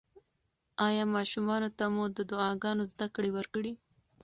ایا ماشومانو ته مو د دعاګانو زده کړه ورکړې؟